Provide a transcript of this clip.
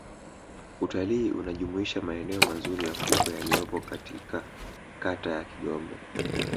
Utalii unajumuisha maeneo mazuri ya fukwe yaliyopo katika kata ya Kigombe